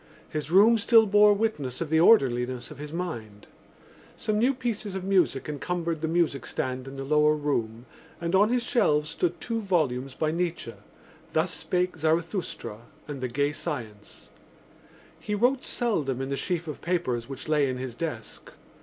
His room still bore witness of the orderliness of his mind. Some new pieces of music encumbered the music stand in the lower room and on his shelves stood two volumes by Nietzsche: Thus Spake Zarathustra and The Gay Science. He wrote seldom in the sheaf of papers which lay in his desk.